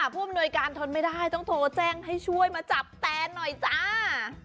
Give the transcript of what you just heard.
ผู้อำนวยการทนไม่ได้ต้องโทรแจ้งให้ช่วยมาจับแตนหน่อยจ้า